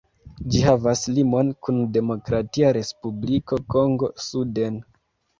Ĝi havas limon kun Demokratia Respubliko Kongo suden.